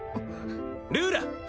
ルーラ。